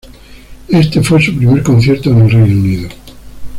Este fue su primer concierto en el Reino Unido.